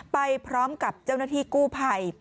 ไปพร้อมกับเจ้าหน้าที่กู้ภัย